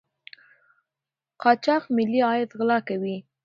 قاچاق ملي عاید غلا کوي.